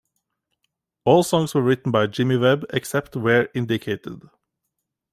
All songs were written by Jimmy Webb, except where indicated.